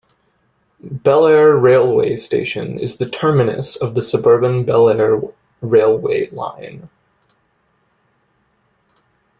Belair railway station is the terminus of the suburban Belair railway line.